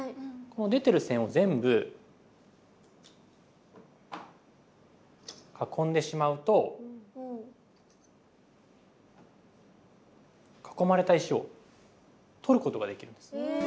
この出てる線を全部囲んでしまうと囲まれた石を取ることができるんです。